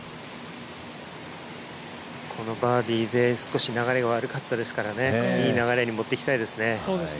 このバーディーで少し流れ悪かったですからいい流れに持って行きたいですね。